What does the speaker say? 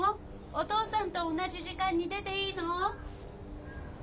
お父さんと同じ時間に出ていいの？